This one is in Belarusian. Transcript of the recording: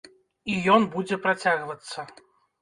І ён будзе працягвацца.